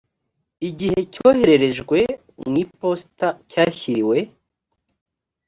igihe cyohererejwe mu iposita cyashyiriwe